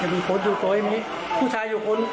มีคนอยู่ซอยมีผู้ชายอยู่คน